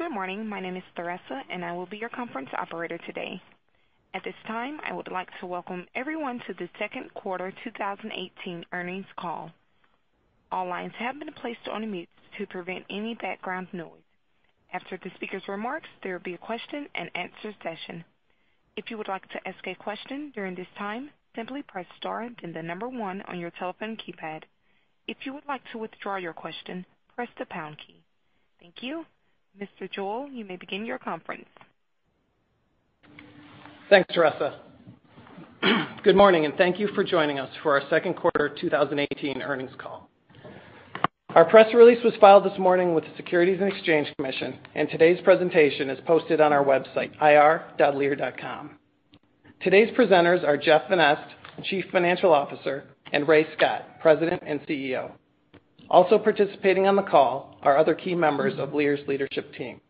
Good morning. My name is Theresa, and I will be your conference operator today. At this time, I would like to welcome everyone to the second quarter 2018 earnings call. All lines have been placed on mute to prevent any background noise. After the speaker's remarks, there will be a question and answer session. If you would like to ask a question during this time, simply press star then the number one on your telephone keypad. If you would like to withdraw your question, press the pound key. Thank you. Mr. Joel, you may begin your conference. Thanks, Theresa. Good morning, and thank you for joining us for our second quarter 2018 earnings call. Our press release was filed this morning with the Securities and Exchange Commission, and today's presentation is posted on our website, ir.lear.com. Today's presenters are Jeff Vanneste, Chief Financial Officer, and Ray Scott, President and CEO. Also participating on the call are other key members of Lear's leadership team.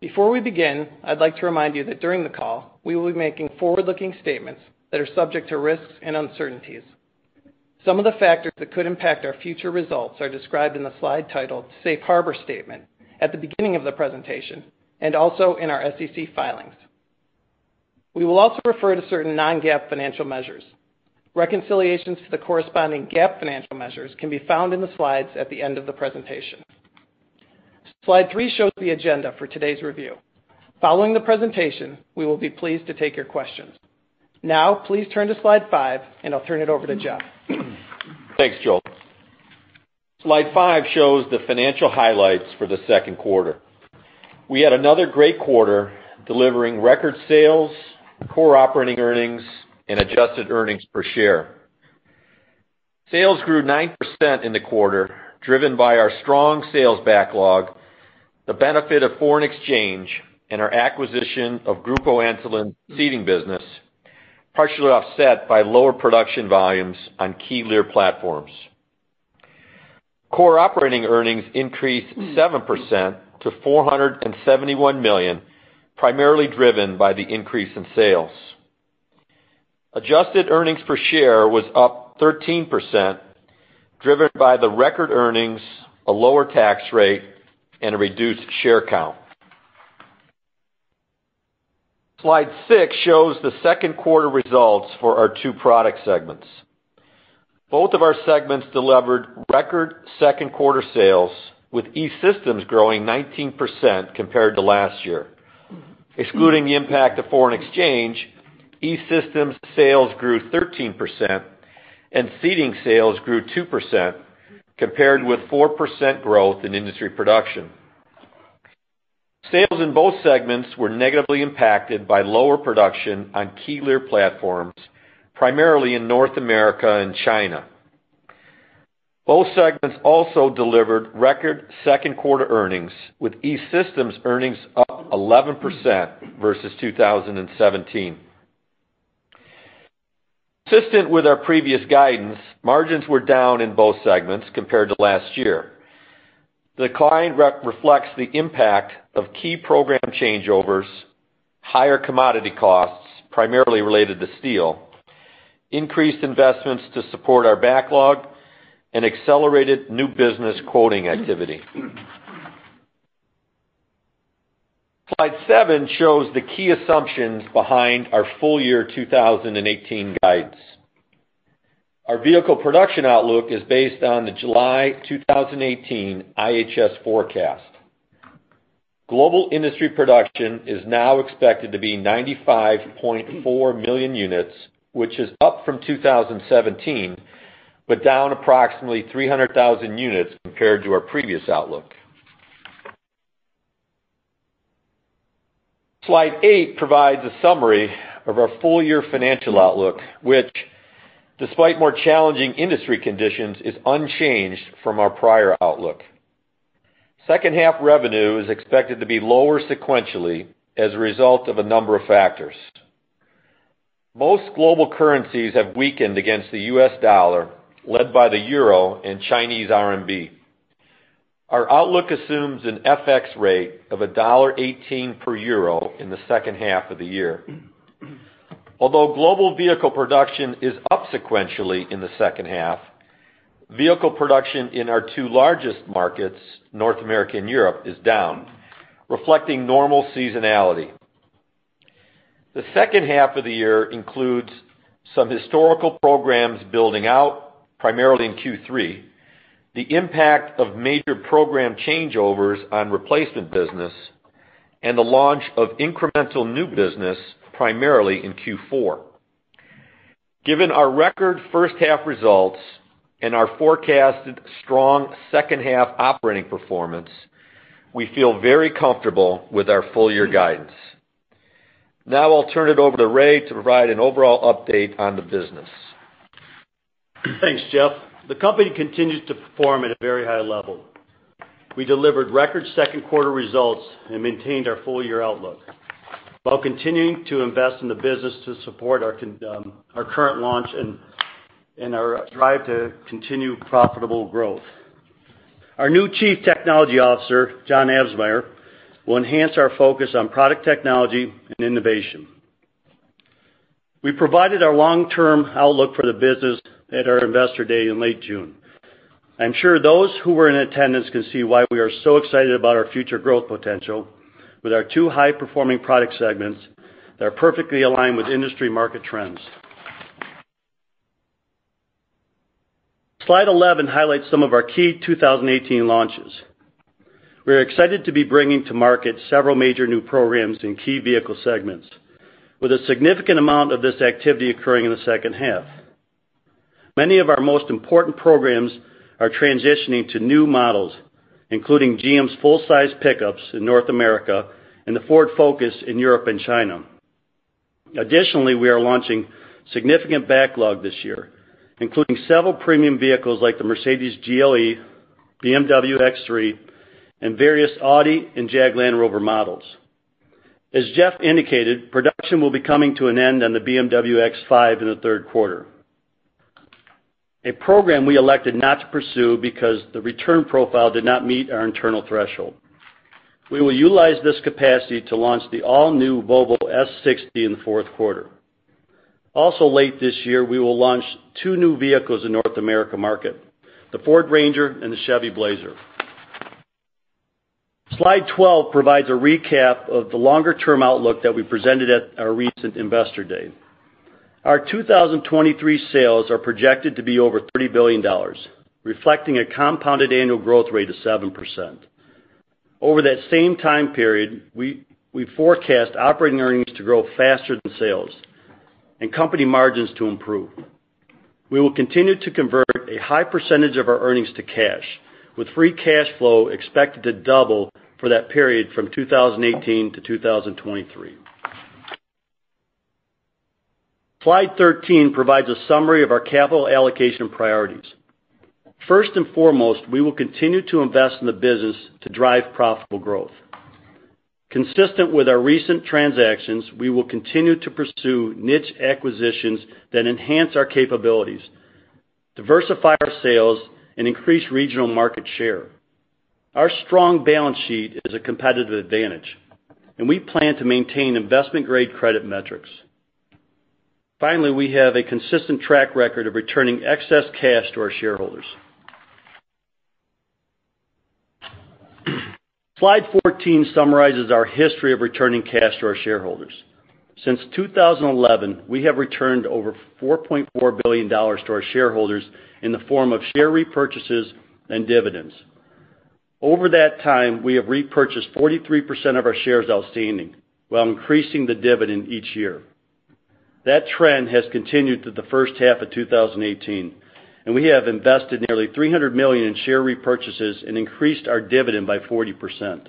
Before we begin, I'd like to remind you that during the call, we will be making forward-looking statements that are subject to risks and uncertainties. Some of the factors that could impact our future results are described in the slide titled "Safe Harbor Statement" at the beginning of the presentation and also in our SEC filings. We will also refer to certain non-GAAP financial measures. Reconciliations to the corresponding GAAP financial measures can be found in the slides at the end of the presentation. Slide three shows the agenda for today's review. Following the presentation, we will be pleased to take your questions. Now, please turn to slide five, and I'll turn it over to Jeff. Thanks, Joel. Slide five shows the financial highlights for the second quarter. We had another great quarter, delivering record sales, core operating earnings, and adjusted earnings per share. Sales grew 9% in the quarter, driven by our strong sales backlog, the benefit of foreign exchange, and our acquisition of Grupo Antolin seating business, partially offset by lower production volumes on key Lear platforms. Core operating earnings increased 7% to $471 million, primarily driven by the increase in sales. Adjusted earnings per share was up 13%, driven by the record earnings, a lower tax rate, and a reduced share count. Slide six shows the second quarter results for our two product segments. Both of our segments delivered record second quarter sales, with E-Systems growing 19% compared to last year. Excluding the impact of foreign exchange, E-Systems sales grew 13%, and seating sales grew 2%, compared with 4% growth in industry production. Sales in both segments were negatively impacted by lower production on key Lear platforms, primarily in North America and China. Both segments also delivered record second-quarter earnings, with E-Systems earnings up 11% versus 2017. Consistent with our previous guidance, margins were down in both segments compared to last year. The decline reflects the impact of key program changeovers, higher commodity costs, primarily related to steel, increased investments to support our backlog, and accelerated new business quoting activity. Slide seven shows the key assumptions behind our full year 2018 guidance. Our vehicle production outlook is based on the July 2018 IHS forecast. Global industry production is now expected to be 95.4 million units, which is up from 2017, but down approximately 300,000 units compared to our previous outlook. Slide eight provides a summary of our full-year financial outlook, which, despite more challenging industry conditions, is unchanged from our prior outlook. Second-half revenue is expected to be lower sequentially as a result of a number of factors. Most global currencies have weakened against the US dollar, led by the euro and Chinese RMB. Our outlook assumes an FX rate of $1.18 per euro in the second half of the year. Although global vehicle production is up sequentially in the second half, vehicle production in our two largest markets, North America and Europe, is down, reflecting normal seasonality. The second half of the year includes some historical programs building out, primarily in Q3, the impact of major program changeovers on replacement business, and the launch of incremental new business, primarily in Q4. Given our record first half results and our forecasted strong second half operating performance, we feel very comfortable with our full-year guidance. Now I'll turn it over to Ray to provide an overall update on the business. Thanks, Jeff. The company continues to perform at a very high level. We delivered record second quarter results and maintained our full-year outlook while continuing to invest in the business to support our current launch and our drive to continue profitable growth. Our new Chief Technology Officer, John Absmeier, will enhance our focus on product technology and innovation. We provided our long-term outlook for the business at our Investor Day in late June. I'm sure those who were in attendance can see why we are so excited about our future growth potential with our two high-performing product segments that are perfectly aligned with industry market trends. Slide 11 highlights some of our key 2018 launches. We are excited to be bringing to market several major new programs in key vehicle segments, with a significant amount of this activity occurring in the second half. Many of our most important programs are transitioning to new models, including GM's full-size pickups in North America and the Ford Focus in Europe and China. Additionally, we are launching significant backlog this year, including several premium vehicles like the Mercedes GLE, BMW X3, and various Audi and Jaguar Land Rover models. As Jeff indicated, production will be coming to an end on the BMW X5 in the third quarter, a program we elected not to pursue because the return profile did not meet our internal threshold. We will utilize this capacity to launch the all-new Volvo S60 in the fourth quarter. Also late this year, we will launch two new vehicles in North America market, the Ford Ranger and the Chevrolet Blazer. Slide 12 provides a recap of the longer-term outlook that we presented at our recent Investor Day. Our 2023 sales are projected to be over $30 billion, reflecting a compounded annual growth rate of 7%. Over that same time period, we forecast operating earnings to grow faster than sales and company margins to improve. We will continue to convert a high percentage of our earnings to cash, with free cash flow expected to double for that period from 2018 to 2023. Slide 13 provides a summary of our capital allocation priorities. First and foremost, we will continue to invest in the business to drive profitable growth. Consistent with our recent transactions, we will continue to pursue niche acquisitions that enhance our capabilities, diversify our sales, and increase regional market share. Our strong balance sheet is a competitive advantage. We plan to maintain investment-grade credit metrics. Finally, we have a consistent track record of returning excess cash to our shareholders. Slide 14 summarizes our history of returning cash to our shareholders. Since 2011, we have returned over $4.4 billion to our shareholders in the form of share repurchases and dividends. Over that time, we have repurchased 43% of our shares outstanding while increasing the dividend each year. That trend has continued through the first half of 2018. We have invested nearly $300 million in share repurchases and increased our dividend by 40%.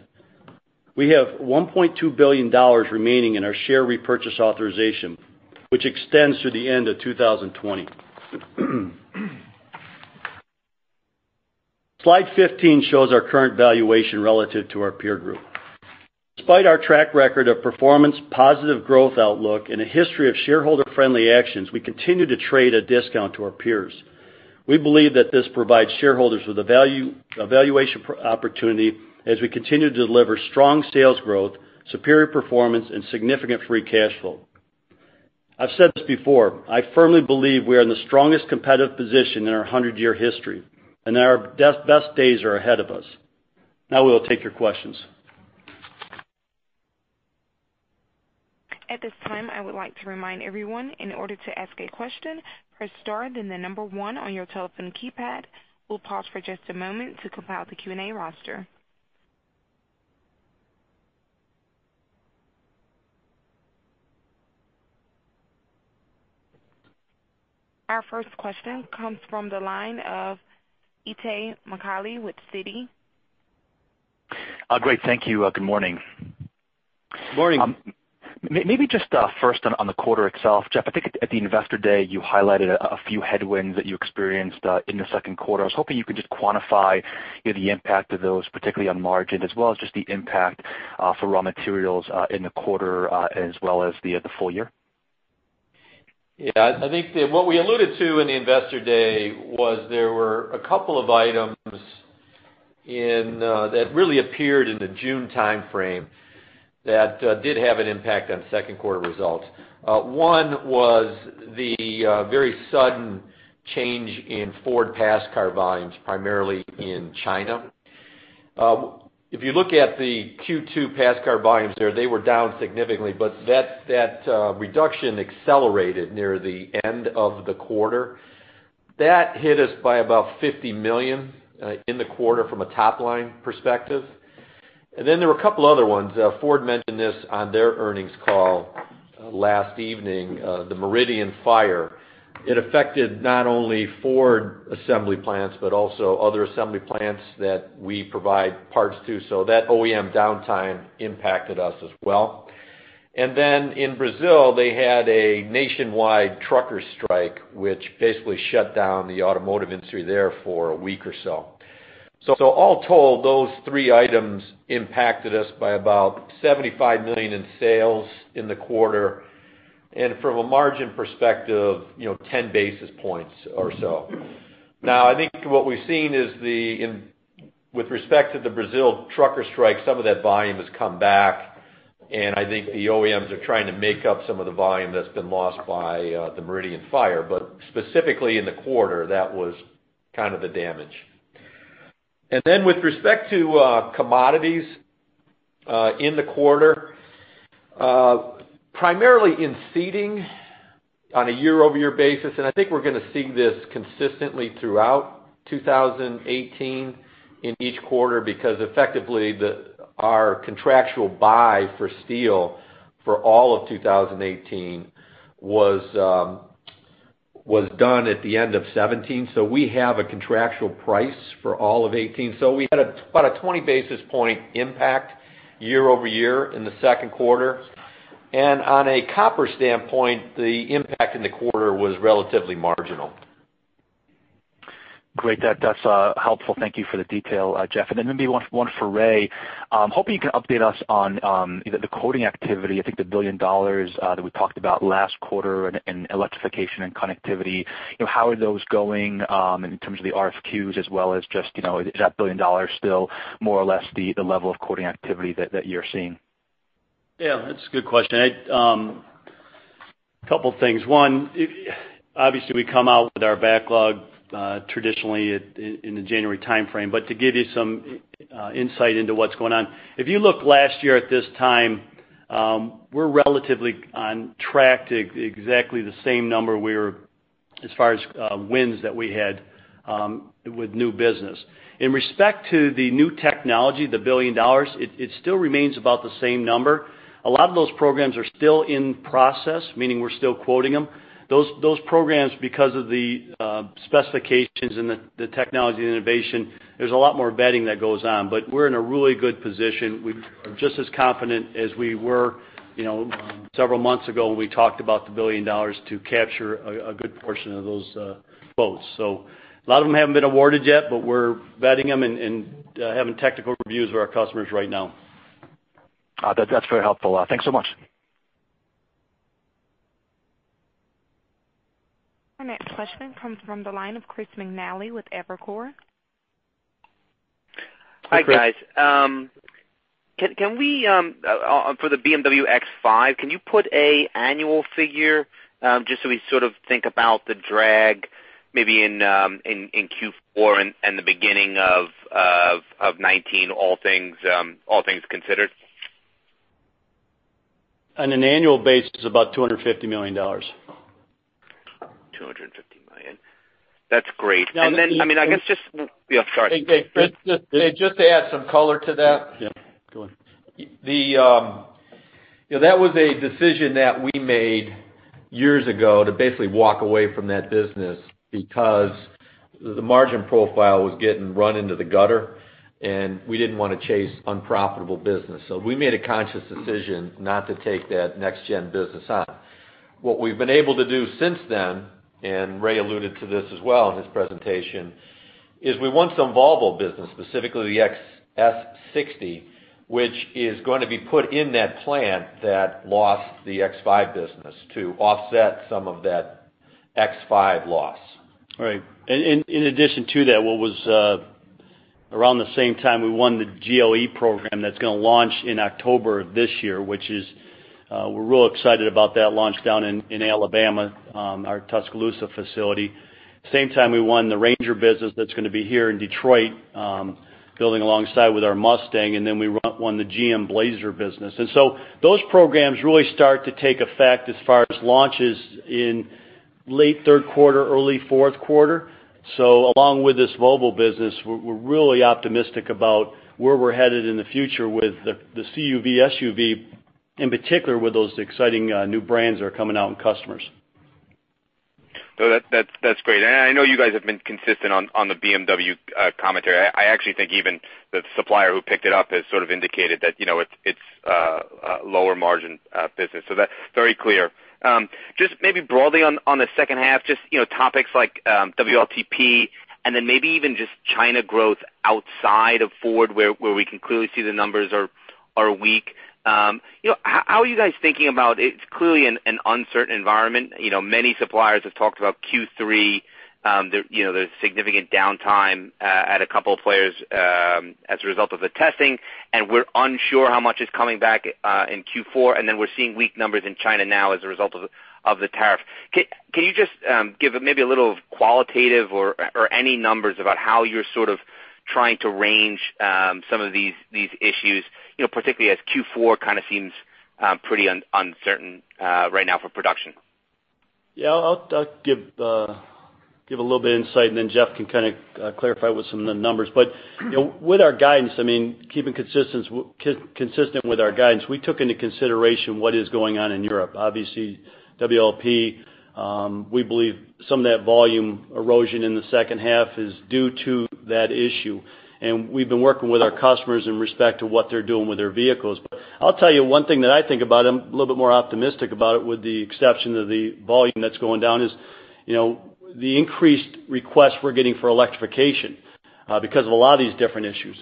We have $1.2 billion remaining in our share repurchase authorization, which extends through the end of 2020. Slide 15 shows our current valuation relative to our peer group. Despite our track record of performance, positive growth outlook, a history of shareholder-friendly actions, we continue to trade at a discount to our peers. We believe that this provides shareholders with a valuation opportunity as we continue to deliver strong sales growth, superior performance, and significant free cash flow. I've said this before, I firmly believe we are in the strongest competitive position in our 100-year history. Our best days are ahead of us. We will take your questions. At this time, I would like to remind everyone, in order to ask a question, press star, then the number one on your telephone keypad. We will pause for just a moment to compile the Q&A roster. Our first question comes from the line of Itay Michaeli with Citi. Great, thank you. Good morning. Morning. Maybe just first on the quarter itself, Jeff, I think at the Investor Day, you highlighted a few headwinds that you experienced in the second quarter. I was hoping you could just quantify the impact of those, particularly on margin, as well as just the impact for raw materials in the quarter as well as the full year. Yeah. I think that what we alluded to in the Investor Day was there were a couple of items that really appeared in the June timeframe that did have an impact on second quarter results. One was the very sudden change in Ford pass car volumes, primarily in China. If you look at the Q2 pass car volumes there, they were down significantly, but that reduction accelerated near the end of the quarter. That hit us by about $50 million in the quarter from a top-line perspective. There were a couple other ones. Ford mentioned this on their earnings call last evening, the Meridian fire. It affected not only Ford assembly plants, but also other assembly plants that we provide parts to, so that OEM downtime impacted us as well. In Brazil, they had a nationwide trucker strike, which basically shut down the automotive industry there for a week or so. All told, those three items impacted us by about $75 million in sales in the quarter. From a margin perspective, 10 basis points or so. I think what we've seen is. With respect to the Brazil trucker strike, some of that volume has come back, I think the OEMs are trying to make up some of the volume that's been lost by the Meridian fire. Specifically in the quarter, that was kind of the damage. Then with respect to commodities, in the quarter, primarily in seating on a year-over-year basis, I think we're going to see this consistently throughout 2018 in each quarter because effectively, our contractual buy for steel for all of 2018 was done at the end of 2017. We have a contractual price for all of 2018. We had about a 20 basis points impact year-over-year in the second quarter. On a copper standpoint, the impact in the quarter was relatively marginal. Great. That's helpful. Thank you for the detail, Jeff. Then maybe one for Ray. Hoping you can update us on the quoting activity. I think the $1 billion that we talked about last quarter in electrification and connectivity, how are those going in terms of the RFQs as well as just, is that $1 billion still more or less the level of quoting activity that you're seeing? That's a good question. A couple of things. One, obviously, we come out with our backlog traditionally in the January timeframe. To give you some insight into what's going on, if you look last year at this time, we're relatively on track to exactly the same number as far as wins that we had with new business. In respect to the new technology, the $1 billion, it still remains about the same number. A lot of those programs are still in process, meaning we're still quoting them. Those programs, because of the specifications and the technology and innovation, there's a lot more vetting that goes on. We're in a really good position. We're just as confident as we were several months ago when we talked about the $1 billion to capture a good portion of those quotes. A lot of them haven't been awarded yet, but we're vetting them and having technical reviews with our customers right now. That's very helpful. Thanks so much. Our next question comes from the line of Chris McNally with Evercore. Hi, Chris. Hi, guys. For the BMW X5, can you put an annual figure just so we sort of think about the drag maybe in Q4 and the beginning of 2019, all things considered? On an annual basis, it's about $250 million. $250 million. That's great. I guess. Yeah, sorry. Just to add some color to that. Yeah. Go on. That was a decision that we made years ago to basically walk away from that business because the margin profile was getting run into the gutter, and we didn't want to chase unprofitable business. We made a conscious decision not to take that next-gen business on. What we've been able to do since then, and Ray alluded to this as well in his presentation, is we won some Volvo business, specifically the S60, which is going to be put in that plant that lost the X5 business to offset some of that X5 loss. Right. In addition to that, what was around the same time, we won the GOE program that's going to launch in October of this year, which we're real excited about that launch down in Alabama, our Tuscaloosa facility. Same time, we won the Ranger business that's going to be here in Detroit, building alongside with our Mustang, then we won the GM Blazer business. Those programs really start to take effect as far as launches in late third quarter, early fourth quarter. Along with this Volvo business, we're really optimistic about where we're headed in the future with the CUV SUV, in particular with those exciting new brands that are coming out in customers. That's great. I know you guys have been consistent on the BMW commentary. I actually think even the supplier who picked it up has sort of indicated that it's a lower margin business. That's very clear. Just maybe broadly on the second half, just topics like WLTP and then maybe even just China growth outside of Ford, where we can clearly see the numbers are weak. It's clearly an uncertain environment. Many suppliers have talked about Q3, there's significant downtime at a couple of players as a result of the testing, and we're unsure how much is coming back in Q4, and then we're seeing weak numbers in China now as a result of the tariff. Can you just give maybe a little qualitative or any numbers about how you're sort of trying to range some of these issues, particularly as Q4 kind of seems pretty uncertain right now for production? I'll give a little bit of insight, then Jeff can kind of clarify with some of the numbers. With our guidance, keeping consistent with our guidance, we took into consideration what is going on in Europe. Obviously, WLTP, we believe some of that volume erosion in the second half is due to that issue. We've been working with our customers in respect to what they're doing with their vehicles. I'll tell you one thing that I think about, I'm a little bit more optimistic about it with the exception of the volume that's going down, is the increased requests we're getting for electrification because of a lot of these different issues.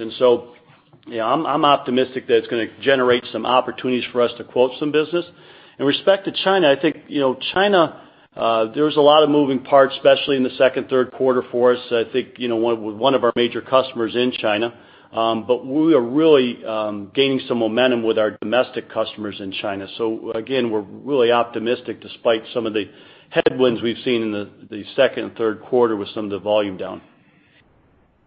I'm optimistic that it's going to generate some opportunities for us to quote some business. In respect to China, I think, China, there's a lot of moving parts, especially in the second, third quarter for us, I think, with one of our major customers in China. We are really gaining some momentum with our domestic customers in China. Again, we're really optimistic despite some of the headwinds we've seen in the second and third quarter with some of the volume down.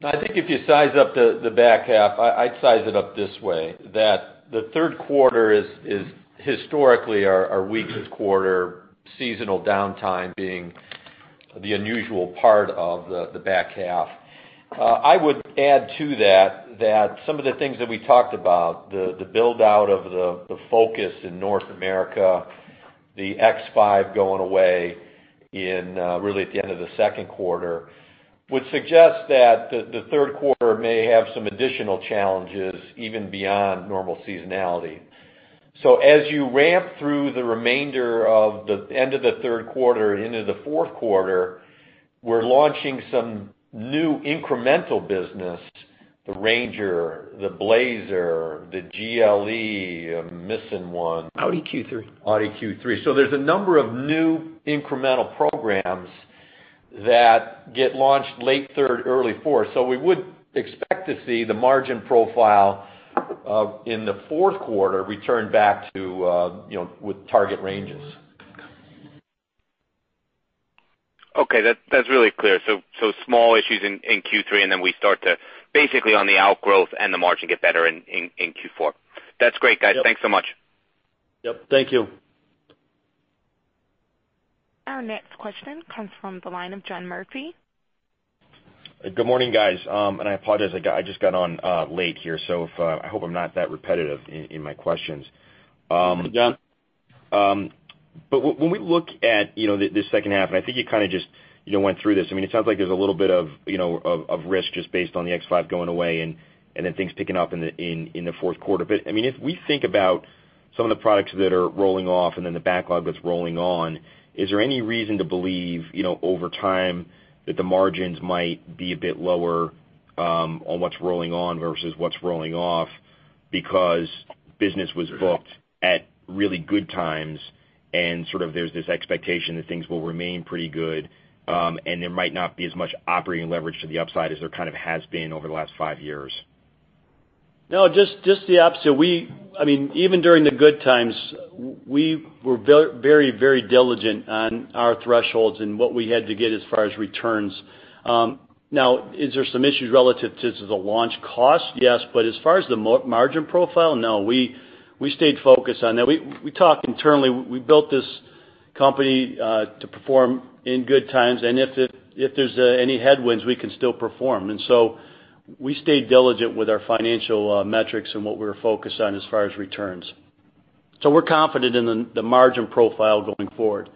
I think if you size up the back half, I'd size it up this way, that the third quarter is historically our weakest quarter, seasonal downtime being the unusual part of the back half. I would add to that, some of the things that we talked about, the build-out of the Focus in North America, the X5 going away really at the end of the second quarter, would suggest that the third quarter may have some additional challenges, even beyond normal seasonality. As you ramp through the remainder of the end of the third quarter into the fourth quarter, we're launching some new incremental business, the Ranger, the Blazer, the GLE, I'm missing one. Audi Q3. Audi Q3. There's a number of new incremental programs that get launched late third, early fourth. We would expect to see the margin profile in the fourth quarter return back with target ranges. Okay. That's really clear. Small issues in Q3, then we start to, basically on the outgrowth and the margin, get better in Q4. That's great, guys. Yep. Thanks so much. Yep. Thank you. Our next question comes from the line of John Murphy. Good morning, guys. I apologize, I just got on late here, so I hope I'm not that repetitive in my questions. Hey, John. When we look at the second half, and I think you kind of just went through this, it sounds like there's a little bit of risk just based on the X5 going away and then things picking up in the fourth quarter. If we think about some of the products that are rolling off and then the backlog that's rolling on, is there any reason to believe, over time, that the margins might be a bit lower on what's rolling on versus what's rolling off because business was booked at really good times and sort of there's this expectation that things will remain pretty good, and there might not be as much operating leverage to the upside as there kind of has been over the last five years? No, just the opposite. Even during the good times, we were very diligent on our thresholds and what we had to get as far as returns. Is there some issues relative to the launch cost? Yes. As far as the margin profile, no. We stayed focused on that. We talk internally, we built this company to perform in good times, and if there's any headwinds, we can still perform. We stayed diligent with our financial metrics and what we were focused on as far as returns. We're confident in the margin profile going forward.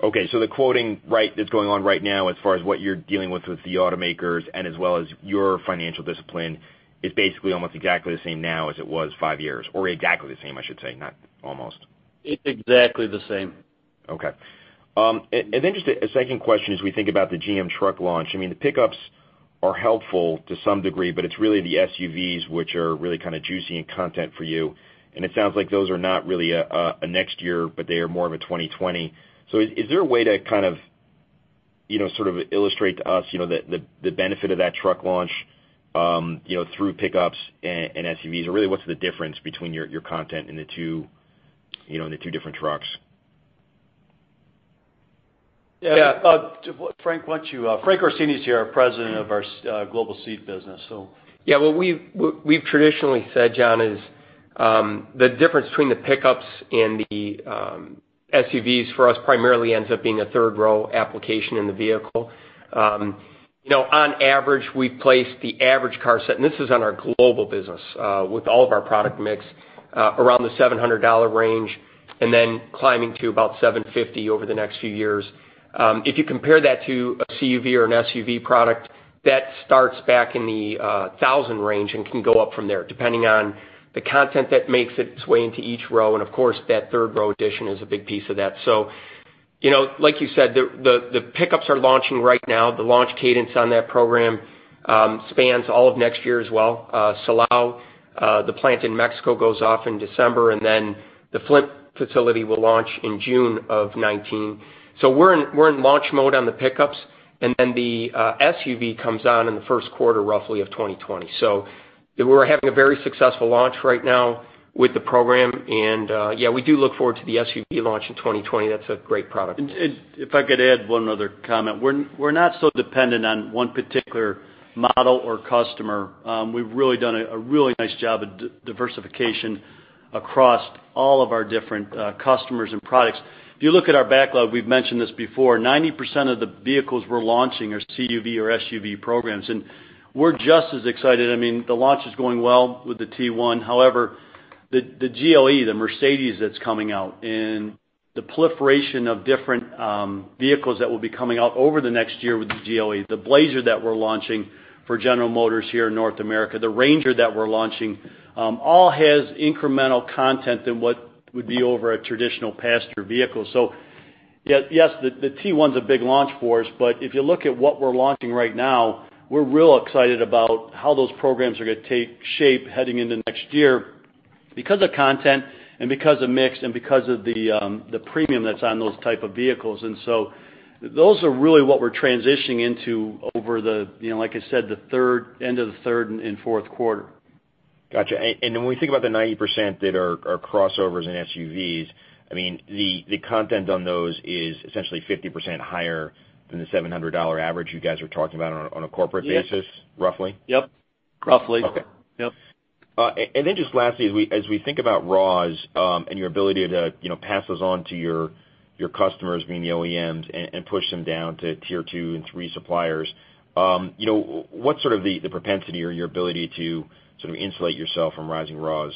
The quoting that's going on right now as far as what you're dealing with the automakers and as well as your financial discipline is basically almost exactly the same now as it was 5 years, or exactly the same, I should say, not almost. It's exactly the same. Just a second question, as we think about the GM truck launch. The pickups are helpful to some degree, but it's really the SUVs which are really kind of juicy in content for you, and it sounds like those are not really a next year, but they are more of a 2020. Is there a way to kind of illustrate to us the benefit of that truck launch through pickups and SUVs? Really, what's the difference between your content in the two different trucks? Yeah. Frank Orsini is here, our President of our Global Seat Business. Yeah. What we've traditionally said, John, is the difference between the pickups and the SUVs for us primarily ends up being a third-row application in the vehicle. On average, we place the average car set, and this is on our global business, with all of our product mix, around the $700 range, then climbing to about $750 over the next few years. If you compare that to a CUV or an SUV product, that starts back in the $1,000 range and can go up from there, depending on the content that makes its way into each row, and of course, that third-row addition is a big piece of that. Like you said, the pickups are launching right now. The launch cadence on that program spans all of next year as well. Silao, the plant in Mexico, goes off in December, the Flint facility will launch in June of 2019. We're in launch mode on the pickups, the SUV comes on in the first quarter, roughly, of 2020. We're having a very successful launch right now with the program. Yeah, we do look forward to the SUV launch in 2020. That's a great product. If I could add one other comment. We're not so dependent on one particular model or customer. We've really done a really nice job of diversification across all of our different customers and products. If you look at our backlog, we've mentioned this before, 90% of the vehicles we're launching are CUV or SUV programs. We're just as excited. The launch is going well with the T1. However, the GLE, the Mercedes that's coming out and the proliferation of different vehicles that will be coming out over the next year with the GLE, the Blazer that we're launching for General Motors here in North America, the Ranger that we're launching, all has incremental content than what would be over a traditional passenger vehicle. Yes, the T1's a big launch for us, but if you look at what we're launching right now, we're real excited about how those programs are going to take shape heading into next year because of content and because of mix, and because of the premium that's on those type of vehicles. Those are really what we're transitioning into over the, like I said, the end of the third and fourth quarter. Got you. When we think about the 90% that are crossovers and SUVs, I mean, the content on those is essentially 50% higher than the $700 average you guys are talking about on a corporate basis. Yes roughly? Yep. Roughly. Okay. Yep. Then just lastly, as we think about raws and your ability to pass those on to your customers, being the OEMs, and push them down to tier 2 and 3 suppliers, what's sort of the propensity or your ability to sort of insulate yourself from rising raws?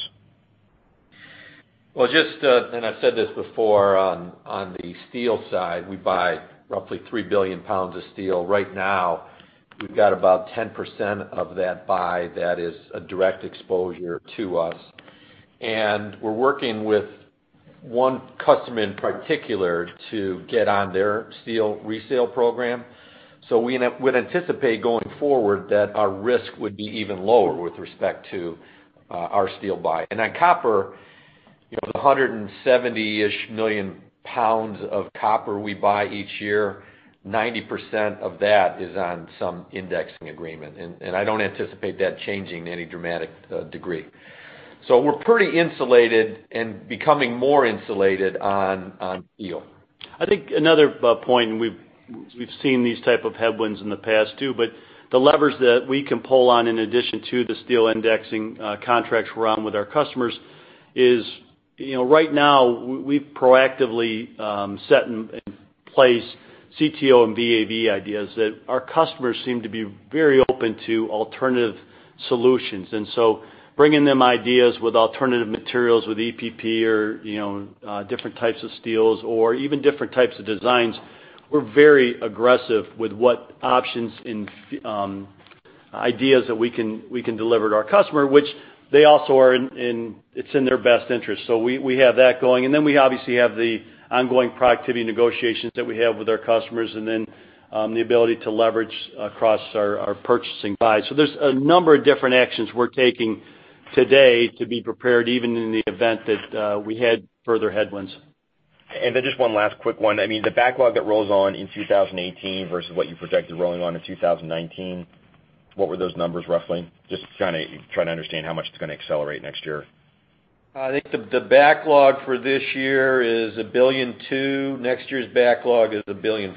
I said this before, on the steel side, we buy roughly 3 billion pounds of steel. Right now, we've got about 10% of that buy that is a direct exposure to us. We're working with one customer in particular to get on their steel resale program. We would anticipate, going forward, that our risk would be even lower with respect to our steel buy. On copper, the 170 million pounds of copper we buy each year, 90% of that is on some indexing agreement, and I don't anticipate that changing to any dramatic degree. We're pretty insulated and becoming more insulated on steel. I think another point, we've seen these type of headwinds in the past too, the levers that we can pull on in addition to the steel indexing contracts we're on with our customers is, right now, we've proactively set in place CTO and VA/VE ideas that our customers seem to be very open to alternative solutions. Bringing them ideas with alternative materials, with EPP or different types of steels or even different types of designs, we're very aggressive with what options and ideas that we can deliver to our customer, which they also are, it's in their best interest. We have that going, we obviously have the ongoing productivity negotiations that we have with our customers, the ability to leverage across our purchasing buys. There's a number of different actions we're taking today to be prepared, even in the event that we had further headwinds. Just one last quick one. I mean, the backlog that rolls on in 2018 versus what you projected rolling on in 2019, what were those numbers, roughly? Just trying to understand how much it's going to accelerate next year. I think the backlog for this year is $1.2 billion. Next year's backlog is $1.4 billion.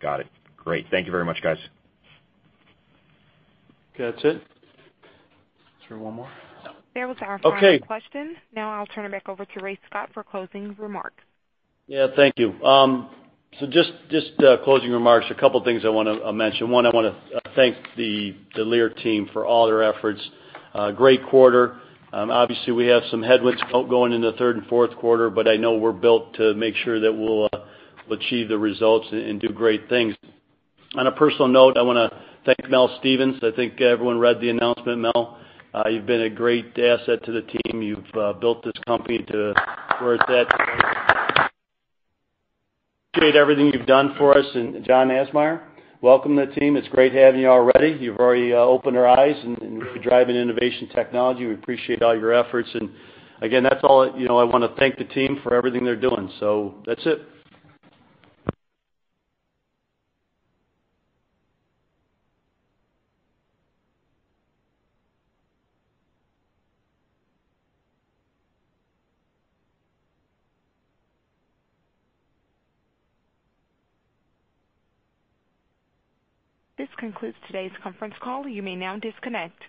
Got it. Great. Thank you very much, guys. Okay, that's it. Is there one more? That was our final question. Okay. Now I'll turn it back over to Ray Scott for closing remarks. Yeah, thank you. Just closing remarks, a couple of things I want to mention. One, I want to thank the Lear team for all their efforts. Great quarter. Obviously, we have some headwinds going into the third and fourth quarter, but I know we're built to make sure that we'll achieve the results and do great things. On a personal note, I want to thank Mel Stephens. I think everyone read the announcement. Mel, you've been a great asset to the team. You've built this company to where it's at today. Appreciate everything you've done for us. John Absmeier, welcome to the team. It's great having you already. You've already opened our eyes, and with your drive in innovation technology, we appreciate all your efforts. Again, that's all. I want to thank the team for everything they're doing. That's it. This concludes today's conference call. You may now disconnect.